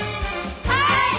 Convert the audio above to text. はい！